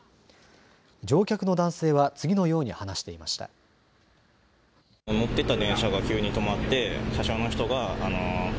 乗客の男性は次のように話していました。